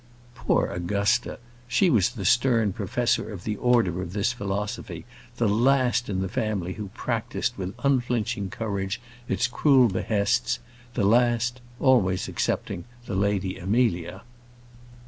Poor Augusta! she was the stern professor of the order of this philosophy; the last in the family who practised with unflinching courage its cruel behests; the last, always excepting the Lady Amelia.